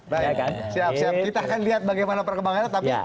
siap siap kita akan lihat bagaimana perkembangannya tapi